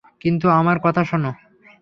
কিন্তু আমার কথা শোনো।